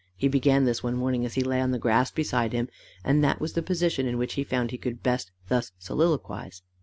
He began this one morning as he lay on the grass beside him, and that was the position in which he found he could best thus soliloquize.